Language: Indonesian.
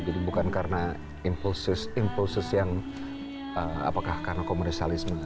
jadi bukan karena impulses impulses yang apakah karena komersialisme atau